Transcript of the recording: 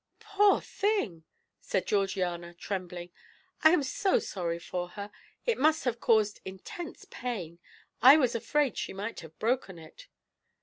"Poor thing!" said Georgiana, trembling. "I am so sorry for her. It must have caused intense pain. I was afraid she might have broken it."